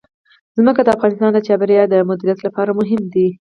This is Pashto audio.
ځمکه د افغانستان د چاپیریال د مدیریت لپاره مهم دي.